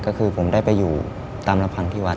ก็คือผมได้ไปอยู่ตามลำพังที่วัด